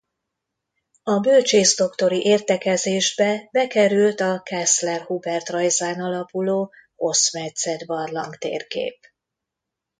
A bölcsészdoktori értekezésbe bekerült a Kessler Hubert rajzán alapuló hosszmetszet barlangtérkép.